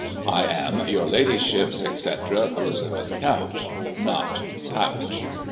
"I am, your Ladyship's etc— ELIZABETH CouCH (not Pouch.)